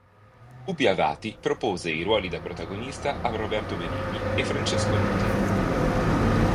Pupi Avati propose i ruoli da protagonista a Roberto Benigni e Francesco Nuti.